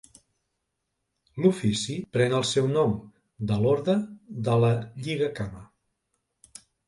L'ofici pren el seu nom de l'orde de la Lligacama.